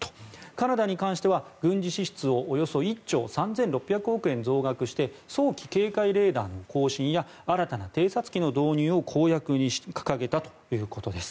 カナダに関しては軍事支出をおよそ１兆３６００億円増額して早期警戒レーダーの更新や新たな偵察機の導入を公約に掲げたということです。